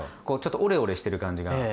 こうちょっと折れ折れしてる感じが。